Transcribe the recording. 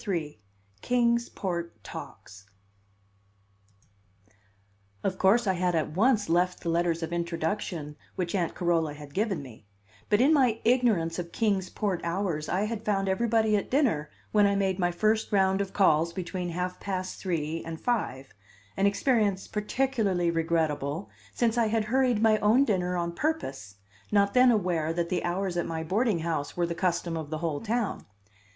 III: Kings Port Talks Of course I had at once left the letters of introduction which Aunt Carola had given me; but in my ignorance of Kings Port hours I had found everybody at dinner when I made my first round of calls between half past three and five an experience particularly regrettable, since I had hurried my own dinner on purpose, not then aware that the hours at my boarding house were the custom of the whole town.